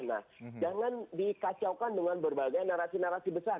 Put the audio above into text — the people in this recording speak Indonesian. nah jangan dikacaukan dengan berbagai narasi narasi besar